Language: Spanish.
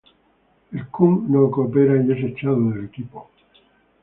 El Coon no coopera y es echado del equipo.